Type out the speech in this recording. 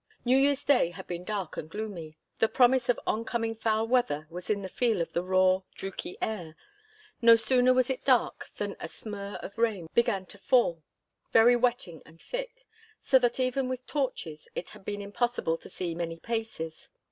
New Year's Day had been dark and gloomy. The promise of oncoming foul weather was in the feel of the raw, drooky air. No sooner was it dark than a smurr of rain began to fell, very wetting and thick, so that even with torches it had been impossible to see many paces.